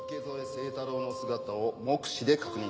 清太郎の姿を目視で確認。